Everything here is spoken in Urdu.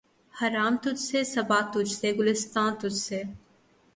خرام تجھ سے‘ صبا تجھ سے‘ گلستاں تجھ سے